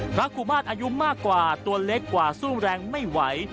กุมาตรอายุมากกว่าตัวเล็กกว่าสู้แรงไม่ไหว